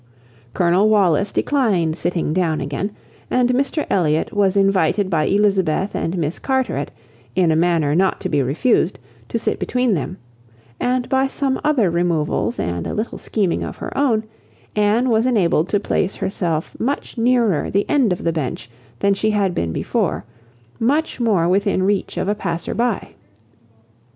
Colonel Wallis declined sitting down again, and Mr Elliot was invited by Elizabeth and Miss Carteret, in a manner not to be refused, to sit between them; and by some other removals, and a little scheming of her own, Anne was enabled to place herself much nearer the end of the bench than she had been before, much more within reach of a passer by.